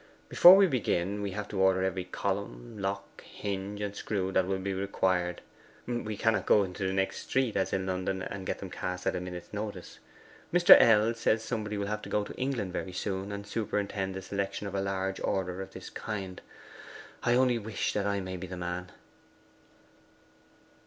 Before we begin, we have to order every column, lock, hinge, and screw that will be required. We cannot go into the next street, as in London, and get them cast at a minute's notice. Mr. L. says somebody will have to go to England very soon and superintend the selection of a large order of this kind. I only wish I may be the man.